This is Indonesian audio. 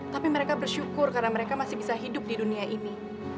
tapi mereka bersyukur karena mereka masih bisa hidup di dunia ini